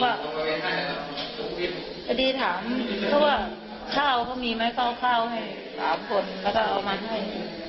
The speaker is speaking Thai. พอพอดีถามเขาว่าข้าวเขามีไหมซ่อข้าวเผ่าให้๓คนเขาก็เอามาให้